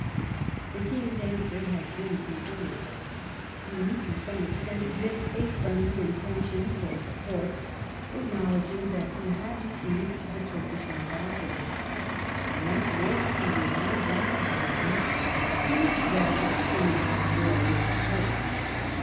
The King's an swer has been preserved. He, to some extent, admits a friendly intention towards the Porte, acknowledging that he had received the Turkish Ambassador. The Emperor, he reminds them, had done as much ; and it is well to abstain from war with the Turk.